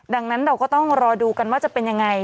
ดังนั้นเราก็ต้องรอดูกันว่าจะเป็นยังไง